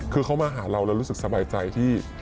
คือเขามาหาเราเรารู้สึกสบายใจที่